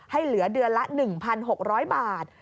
เหลือเดือนละ๑๖๐๐บาท